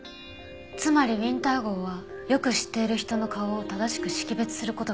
つまりウィンター号はよく知っている人の顔を正しく識別する事ができるの。